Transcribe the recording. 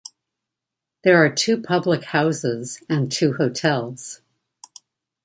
There are two public houses and two hotels.